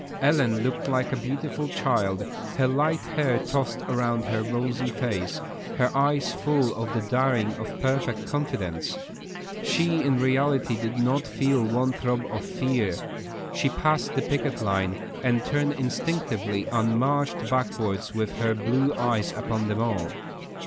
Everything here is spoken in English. Ellen looked like a beautiful child, her light hair tossed around her rosy face, her eyes full of the daring of perfect confidence. She in reality did not feel one throb of fear. She passed the picket line, and turned instinctively and marched backward with her blue eyes upon them all.